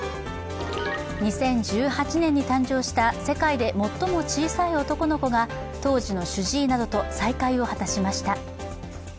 ２０１８年に誕生した世界で最も小さい男の子が当時の主治医などと再会を果たしました。